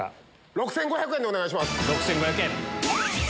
６５００円でお願いします。